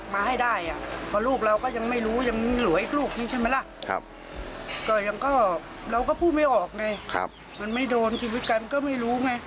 มันไม่โดนคิดวิกันก็ไม่รู้ไง